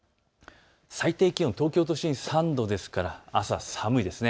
最低気温、東京都心３度ですから朝寒いです。